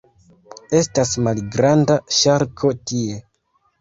Estas malgranda ŝarko tie.